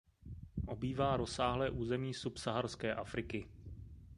Obývá rozsáhlé území subsaharské Afriky.